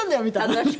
みたいな。